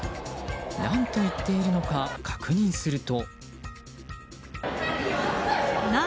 何と言っているのか確認すると。